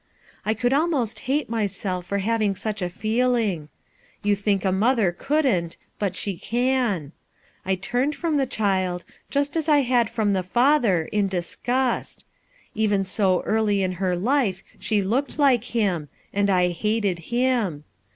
I could almost hate myself for having such a feeling. You think a mother couldn't— but she can. I turned from the child, just as I had from the father, in disgust. Even so early in her life she looked like him, and I hated him.